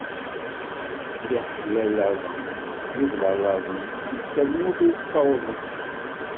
D iḥlalaḍan d iblalaḍen skedd tamurt ur ttawḍen.